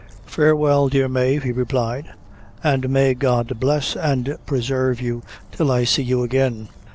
"Farewell, dear Mave," he replied, "an may God bless and presarve you till I see you again!"